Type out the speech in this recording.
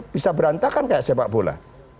bisa berantakan kayak sepak bola